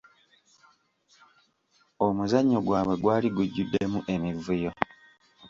Omuzannyo gwabwe gwali gujjuddemu emivuyo.